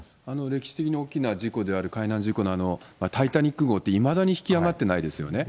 歴史的に大きな事故である海難事故のタイタニック号って、いまだに引き揚がってないですよね。